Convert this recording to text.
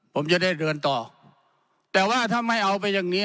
ผมจะได้เดินต่อแต่ว่าถ้าไม่เอาไปอย่างนี้